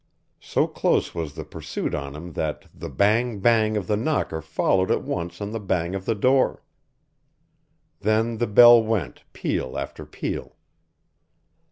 So close was the pursuit on him that the "bang bang" of the knocker followed at once on the bang of the door. Then the bell went, peal after peal.